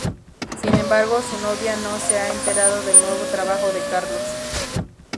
Sin embargo, su novia no se ha enterado del nuevo trabajo de Carlos.